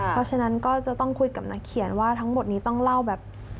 เพราะฉะนั้นก็จะต้องคุยกับนักเขียนว่าทั้งหมดนี้ต้องเล่าแบบ